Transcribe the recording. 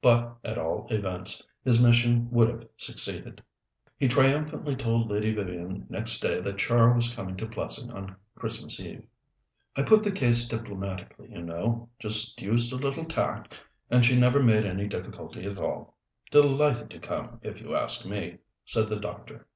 But, at all events, his mission would have succeeded. He triumphantly told Lady Vivian next day that Char was coming to Plessing on Christmas Eve. "I put the case diplomatically, you know just used a little tact, and she never made any difficulty at all. Delighted to come, if you ask me," said the doctor.